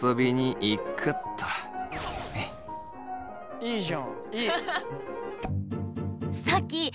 いいじゃんいい。